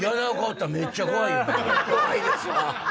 怖いですわ！